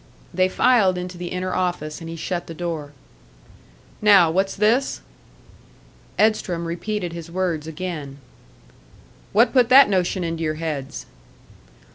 They filed into the inner office, and he shut the door. "Now. What's this?" Edstrom repeated his words again. "What put that notion into your heads?"